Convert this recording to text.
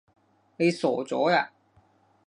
你傻咗呀？